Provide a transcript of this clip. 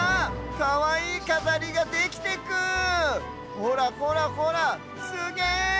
ほらほらほらすげえ！